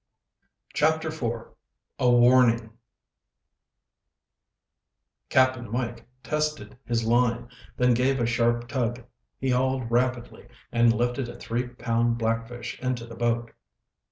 CHAPTER IV A Warning Cap'n Mike tested his line, then gave a sharp tug. He hauled rapidly and lifted a three pound blackfish into the boat.